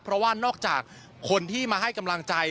เพราะว่านอกจากคนที่มาให้กำลังใจ